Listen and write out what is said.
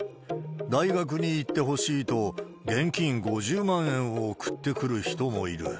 大学に行ってほしいと、現金５０万円を送ってくる人もいる。